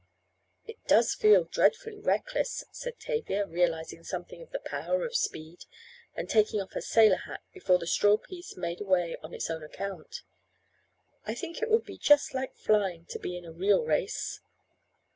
"It does feel dreadfully reckless," said Tavia, realizing something of the power of speed, and taking off her sailor hat before the straw piece made away on its own account. "I think it would be just like flying to be in a real race."